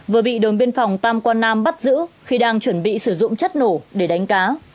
vừa bị đồn biên phòng tam quan nam bắt giữ khi đang chuẩn bị sử dụng chất nổ để đánh cá